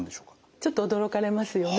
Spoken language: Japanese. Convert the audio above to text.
ちょっと驚かれますよね。